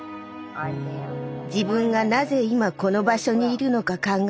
自分がなぜ今この場所にいるのか考え